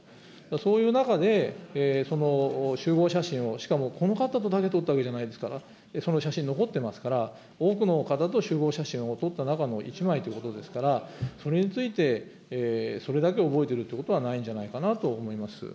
そういう中で、その集合写真を、しかもこの方とだけ撮ったわけじゃないですから、その写真残ってますから、多くの方と集合写真を撮った中の一枚ということですから、それについて、それだけ覚えてるということはないんじゃないかなと思い